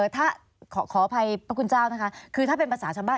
ถ้าขออภัยพระคุณเจ้านะคะถ้าเกิดเป็นประศาสตร์ชำบ้าน